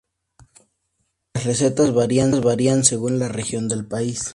Las recetas varían según la región del país.